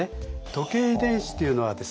時計遺伝子というのはですね